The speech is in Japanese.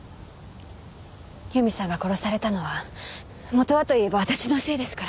由美さんが殺されたのは元はと言えば私のせいですから。